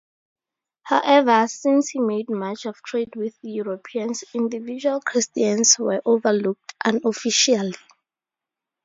However, since he made much of trade with Europeans, individual Christians were overlooked unofficially.